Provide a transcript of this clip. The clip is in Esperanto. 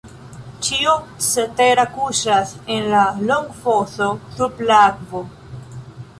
Ĉio cetera kuŝas en la longfoso sub la akvo.